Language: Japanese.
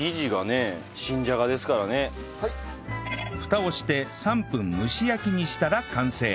フタをして３分蒸し焼きにしたら完成